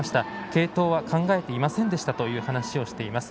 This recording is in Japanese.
継投は考えていませんでしたと話をしています。